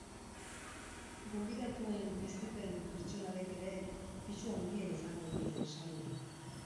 Gonbidatuen bizipen pertsonalek ere pisu handia izango dute saioan.